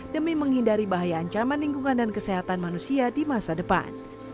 demi menghindari bahaya ancaman lingkungan dan kesehatan manusia di masa depan